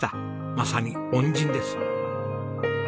まさに恩人です。